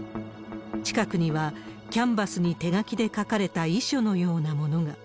近くには、キャンバスに手書きで書かれた遺書のようなものが。